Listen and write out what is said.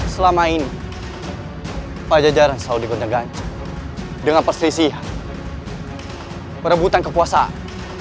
selama ini pajajaran saudi gundegan dengan perselisihan perebutan kekuasaan